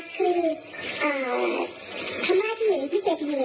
เค้าทำงานอยู่